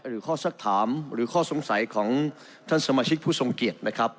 หรือข้อสักถามหรือข้อสงสัยของท่านสมาชิกผู้ทรงเกียรตินะครับ